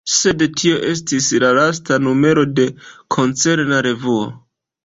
Sed tio estis la lasta numero de koncerna revuo.